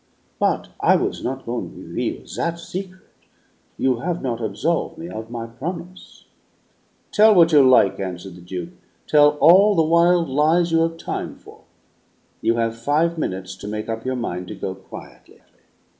But I was not goin' reveal that secret. You have not absolve me of my promise." "Tell what you like," answered the Duke. "Tell all the wild lies you have time for. You have five minutes to make up your mind to go quietly."